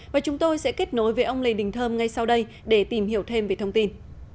và chúng tôi sẽ kết nối với ông lê đình thơm ngay sau đây để tìm hiểu thêm về thông tin